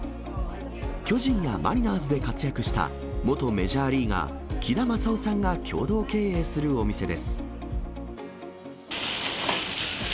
巨人やマリナーズで活躍した元メジャーリーガー、木田優夫さんが共同経営するお店です。